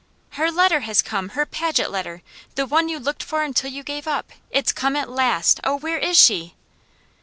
"Her letter has come! Her Paget letter! The one you looked for until you gave up. It's come at last! Oh, where is she?"